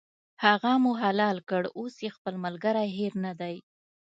هغه مو حلال کړ، اوس یې خپل ملګری هېر نه دی.